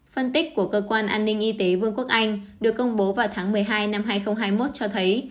phân tích của cơ quan an ninh y tế vương quốc anh được công bố vào tháng một mươi hai năm hai nghìn hai mươi một cho thấy